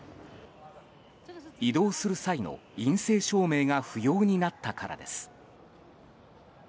移動する際の陰性証明が不要になったからです。